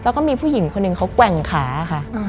อันนึงเขากว่างขาค่ะ